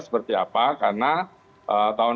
seperti apa karena tahun